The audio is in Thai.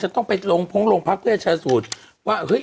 ต้องไปลงพงลงพักเพื่อชาสูตรว่าเฮ้ย